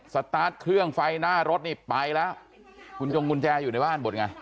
สตาร์ทเครื่องไฟหน้ารถนี่ไปแล้วคุณจงกุญแจอยู่ในบ้านหมดไง